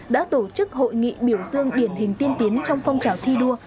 đã tổ chức hội nghị biểu dương điển hình tiên tiến trong phong trào thi đua